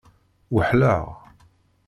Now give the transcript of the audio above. Weḥleɣ.